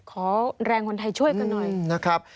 ขอแรงคนไทยช่วยกันหน่อยนะครับ